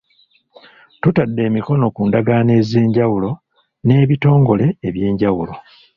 Tutadde emikono ku ndagaano ez'enjawulo n'ebitongole eby'enjawulo.